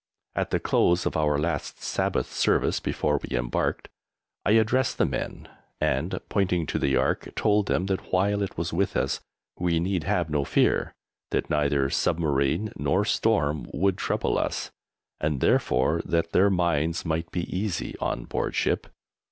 At the close of our last Sabbath service before we embarked, I addressed the men, and, pointing to the Ark, told them that while it was with us we need have no fear, that neither submarine nor storm would trouble us, and, therefore, that their minds might be easy on board ship.